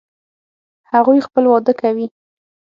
هغوی خپل واده کوي